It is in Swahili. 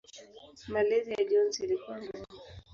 Malezi ya Jones ilikuwa ngumu.